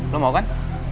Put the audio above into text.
lo mau kan